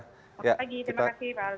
selamat pagi terima kasih pali